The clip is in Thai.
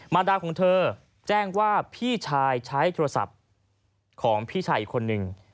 รดาของเธอแจ้งว่าพี่ชายใช้โทรศัพท์ของพี่ชายอีกคนนึง